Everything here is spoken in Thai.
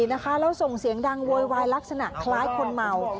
แล้วส่งเสียงดังโวยวายลักษณะคล้ายคนเมา